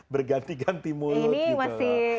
berganti ganti mulut gitu